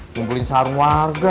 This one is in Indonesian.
kumpulin sarung warga